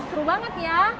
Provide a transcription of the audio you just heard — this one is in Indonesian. seru banget ya